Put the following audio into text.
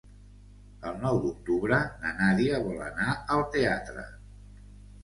El nou d'octubre na Nàdia vol anar al teatre.